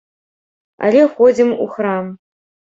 Але ходзім у храм.